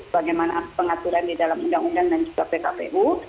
bagaimana pengaturan di dalam undang undang dan juga pkpu